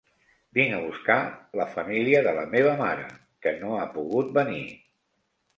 Vinc a buscar la família de la meva mare, que no ha pogut venir.